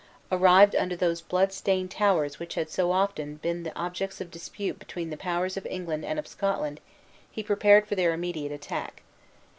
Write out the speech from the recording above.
Arrived under those blood stained towers which had so often been the objects of dispute between the powers of England and of Scotland, he prepared for their immediate attack.